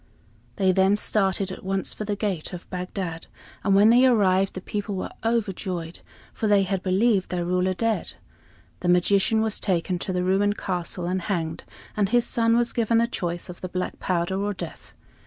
They then started at once for the gate of Bagdad; and when they arrived, the people were overjoyed, for they had believed their ruler dead. The magician was taken to the ruined castle and hanged, and his son was given the choice of the black powder or death.